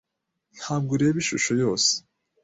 Ntabwo ureba ishusho yose.